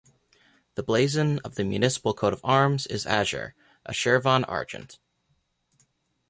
The blazon of the municipal coat of arms is Azure, a Chervon Argent.